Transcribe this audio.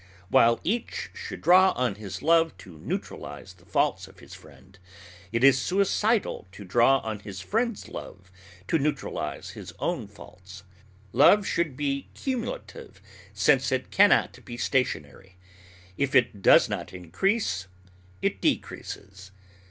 While each should draw on his love to neutralize the faults of his friend, it is suicidal to draw on his friend's love to neutralize his own faults. Love should be cumulative, since it can not be stationary. If it does not increase, it decreases.